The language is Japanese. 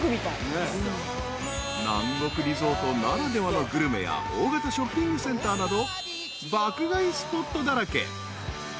［南国リゾートならではのグルメや大型ショッピングセンターなど爆買いスポットだらけ］